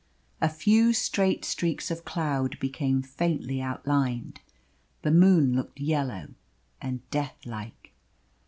A few straight streaks of cloud became faintly outlined. The moon looked yellow and deathlike.